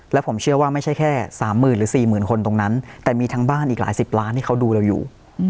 และผมเชื่อว่าไม่ใช่แค่สามหมื่นหรือสี่หมื่นคนตรงนั้นแต่มีทั้งบ้านอีกหลายสิบล้านที่เขาดูแล้วอยู่